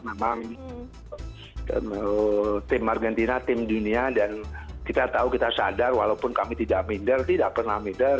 memang tim argentina tim dunia dan kita tahu kita sadar walaupun kami tidak minder tidak pernah minder